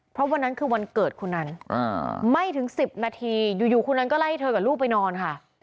เพราะวันนั้นคือวันเกิดคุณนั้นไม่ถึง๑๐นาทีอยู่คนนั้นก็ไล่เธอกับลูกไปนอนค่ะ